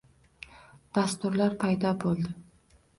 Dasturlar paydo bo'ldi